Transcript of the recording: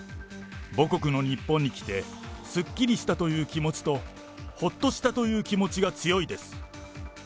母国の日本に来て、すっきりしたという気持ちと、ほっとしたという気持ちが強いです。